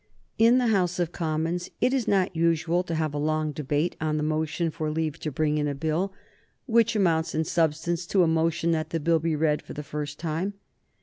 In the House of Commons it is not usual to have a long debate on the motion for leave to bring in a Bill, which amounts in substance to a motion that the Bill be read for the first time.